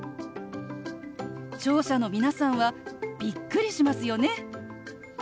聴者の皆さんはびっくりしますよね！